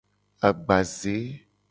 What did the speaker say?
Agbaze.